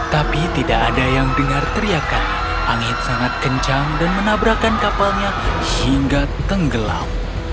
tapi tidak ada yang dengar teriakan angin sangat kencang dan menabrakan kapalnya hingga tenggelam